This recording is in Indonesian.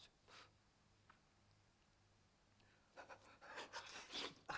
mas berbentuk siapa